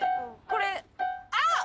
これあっ！